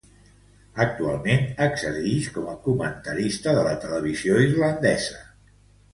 Actualment exercix com a comentarista de la televisió irlandesa.